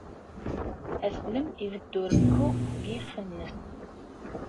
Aslem ibeddu rekku seg yiɣef-nnes.